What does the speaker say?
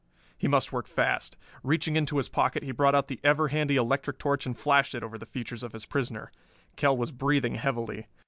He must work fast. Reaching into his pocket he brought out the ever handy electric torch and flashed it over the features of his prisoner. Kell was breathing heavily.